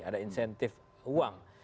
ada insentif uang